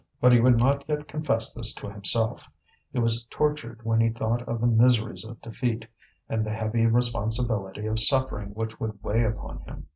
But he would not yet confess this to himself; he was tortured when he thought of the miseries of defeat, and the heavy responsibility of suffering which would weigh upon him.